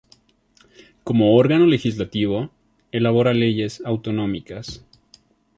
Como órgano legislativo, elabora leyes autonómicas.